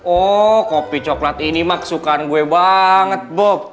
oh kopi coklat ini masukan gue banget bob